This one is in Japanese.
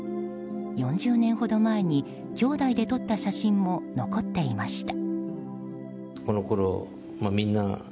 ４０年ほど前にきょうだいで撮った写真も残っていました。